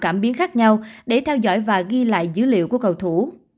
cảm biến khác nhau để theo dõi và ghi lại dữ liệu của cầu thủ